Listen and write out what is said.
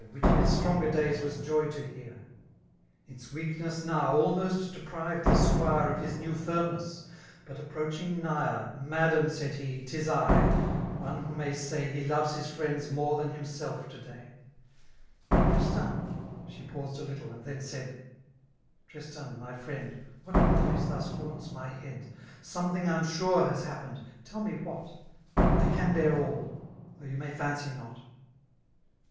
Which in its stronger days was joy to hear t ^ Its weakness now almost deprived the squire Of his new firmness, but approaching nigher^ I I ■■ I •• "v v ■■ I a^ tu *' Madam/' aaiii lie, '^ 'Ha I; ^one who may my> '' He loves hia fri^ds more tban himself t»«day $h^ '' Tristan.'*»« 4%e paused a little, and then said ^" Tristan— my friend^ what noise thus haunts mjr head? '' Something rmsnrehashi^pened *4ell me what*^* " I can bear aU^ though you may fancy not.